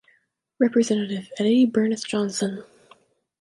Representative Eddie Bernice Johnson.